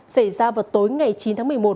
xảy ra vào tối ngày chín tháng một mươi một